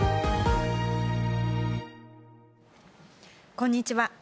こんにちは。